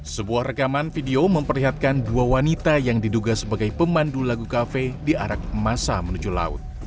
sebuah rekaman video memperlihatkan dua wanita yang diduga sebagai pemandu lagu kafe diarak masa menuju laut